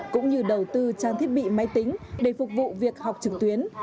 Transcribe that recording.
cũng như đầu tư trang thiết bị máy tính để phục vụ việc học trực tuyến